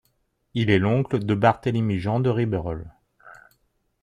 Il est l'oncle de Barthélemy-Jean de Riberolles.